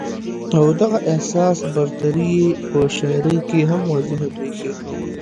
او دغه احساس برتري ئې پۀ شاعرۍ کښې هم واضحه برېښي